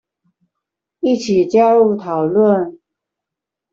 一起加入討論